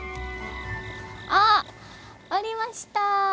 あありました。